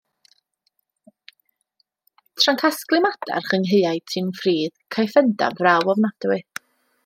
Tra'n casglu madarch yng nghaeau Tŷ'n Ffridd caiff Endaf fraw ofnadwy.